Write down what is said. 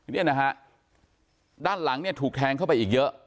เนี่ยนะฮะด้านหลังเนี่ยถูกแทงเข้าไปอีกเยอะ